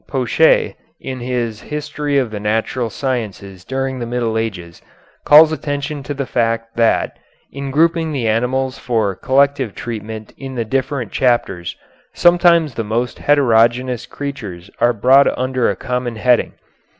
Pouchet, in his "History of the Natural Sciences During the Middle Ages," calls attention to the fact that, in grouping the animals for collective treatment in the different chapters, sometimes the most heterogeneous creatures are brought under a common heading.